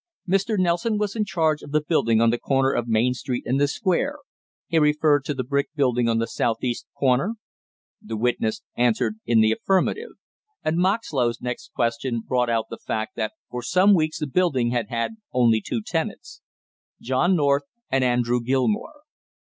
Mr. Nelson was in charge of the building on the corner of Main Street and the Square, he referred to the brick building on the southeast corner? The witness answered in the affirmative, and Moxlow's next question brought out the fact that for some weeks the building had had only two tenants; John North and Andrew Gilmore.